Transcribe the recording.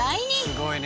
すごいね。